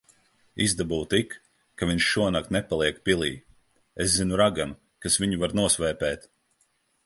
Izdabū tik, ka viņš šonakt nepaliek pilī. Es zinu raganu, kas viņu var nosvēpēt.